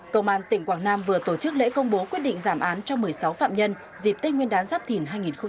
công an tỉnh quảng nam vừa tổ chức lễ công bố quyết định giảm án cho một mươi sáu phạm nhân dịp tết nguyên đán giáp thìn hai nghìn hai mươi bốn